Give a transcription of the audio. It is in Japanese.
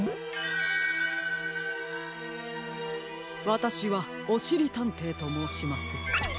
わたしはおしりたんていともうします。